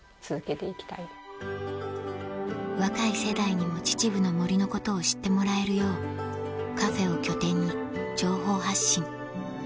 若い世代にも秩父の森のことを知ってもらえるようカフェを拠点に情報発信